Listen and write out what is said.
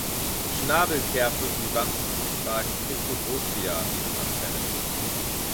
Schnabelkerfe wie Wanzen tragen Trichobothria an ihren Antennen.